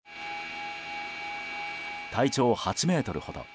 体長８ｍほど。